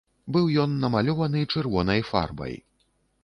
Быў ён намалёваны чырвонай фарбай.